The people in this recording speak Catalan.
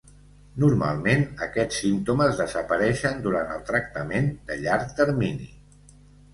Normalment, aquests símptomes desapareixen durant el tractament de llarg termini.